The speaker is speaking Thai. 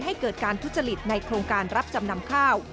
ให้เกิดการทุจริตในโครงการรับจำนำข้าว